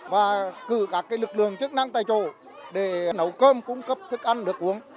và cử các lực lượng chức năng tại chỗ để nấu cơm cung cấp thức ăn nước uống